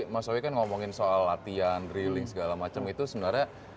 mas howie kan ngomongin soal latihan drilling segala macem itu sebenarnya